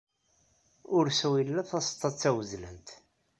Ursu ila taseḍḍa d tawezlant.